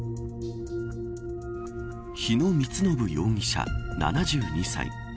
日野充信容疑者、７２歳。